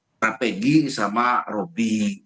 kadang pegi sama robi